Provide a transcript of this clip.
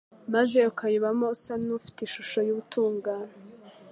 maze ukayibamo usa n'ufite ishusho y'ubutungane.